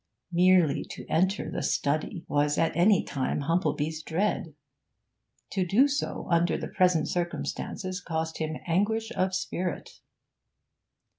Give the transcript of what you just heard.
Merely to enter the 'study' was at any time Humplebee's dread; to do so under the present circumstances cost him anguish of spirit.